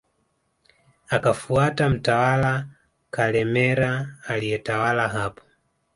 Akafuata mtawala Kalemera aliyetawala hapo